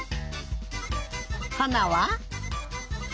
はなは？